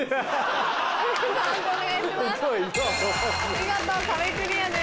見事壁クリアです。